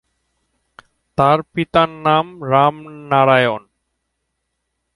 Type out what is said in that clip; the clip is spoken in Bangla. তার পিতার নাম রামনারায়ণ।